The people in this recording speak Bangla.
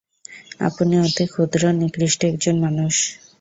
আপনি অতি ক্ষুদ্র, নিকৃষ্ট একজন মানুষ।